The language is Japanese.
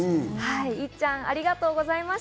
いっちゃん、ありがとうございました。